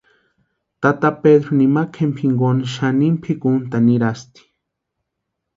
Tata Pedru nimakwa jempani jinkoni xanini pʼikuntʼani nirasti.